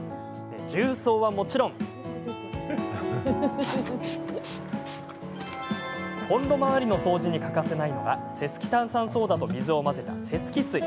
重曹は、もちろんコンロ周りの掃除に欠かせないのがセスキ炭酸ソーダと水を混ぜたセスキ水。